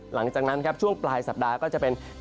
หลังจากนั้นครับช่วงปลายสัปดาห์ก็จะเป็น